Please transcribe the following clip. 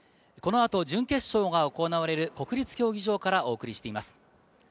このあと準決勝が行われる国立競技場からお送りしています。